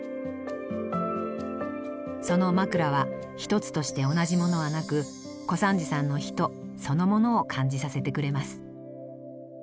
そのまくらは一つとして同じものはなく小三治さんの「人」そのものを感じさせてくれます。